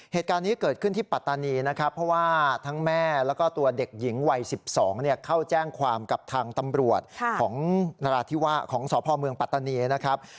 เหตุการณ์นี้เกิดขึ้นที่ปัตตานีนะครับเพราะว่าทั้งแม่แล้วก็ตัวเด็กหญิงวัย๑๒เข้าแจ้งความกับทางตำรวจของนราธิวาสของสพเมืองปัตตานีนะครับ